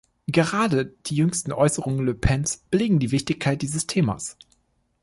Gerade die jüngsten Äußerungen Le Pens belegen die Wichtigkeit dieses Themas.